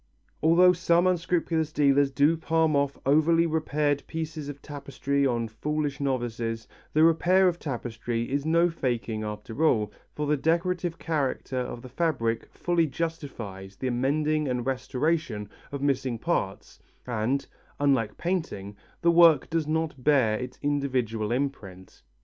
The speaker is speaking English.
Although some unscrupulous dealers do palm off over repaired pieces of tapestry on foolish novices, the repair of tapestry is no faking after all, for the decorative character of the fabric fully justifies the mending and restoration of missing parts and, unlike painting, the work does not bear an individual imprint.